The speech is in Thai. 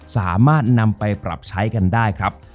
สามารถนำไปปรับใช้กันได้ครับ